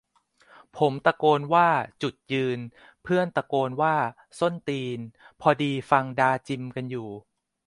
ผมตะโกนว่าจุดยืน เพื่อนตะโกนว่าส้นตีน พอดีฟังดาจิมกันอยู่